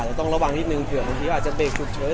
ต้องระวังนิดนึงเผื่อบางทีอาจจะเตะฉุกเฉิน